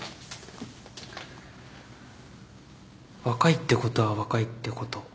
若いってことは若いってこと。